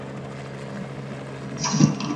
假线鳞耳蕨为鳞毛蕨科耳蕨属下的一个种。